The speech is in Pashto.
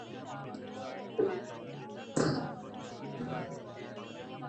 دلته يې څو ماناوې ګورو.